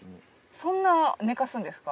そんな寝かすんですか？